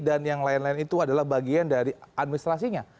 dan yang lain lain itu adalah bagian dari administrasinya